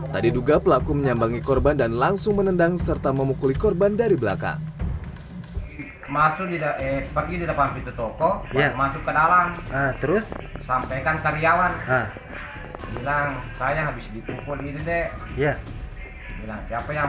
tadi duga pelaku menyambangi korban dan langsung menendang serta memukul korban dari belakang